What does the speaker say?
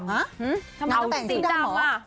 ทำไมต้องแต่งชุดสีดำเหรอ